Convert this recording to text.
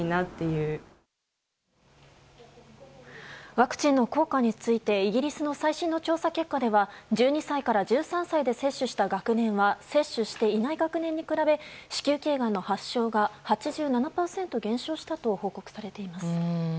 ワクチンの効果についてイギリスの最新の調査結果では１２歳から１３歳で接種した学年は接種していない学年に比べ子宮頸がんの発症が８７％減少したと報告されています。